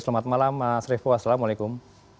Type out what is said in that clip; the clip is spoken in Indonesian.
selamat malam mas revo assalamualaikum